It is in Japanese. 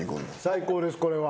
最高ですこれは。